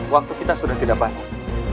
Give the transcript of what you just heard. waktu kita sudah tidak panjang